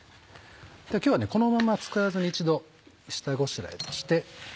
今日はこのまま使わずに一度下ごしらえとして。